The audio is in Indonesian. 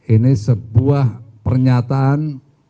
ini sebuah pernyataan